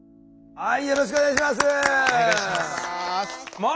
はい。